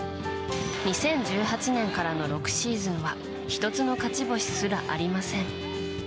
２０１８年からの６シーズンは１つの勝ち星すらありません。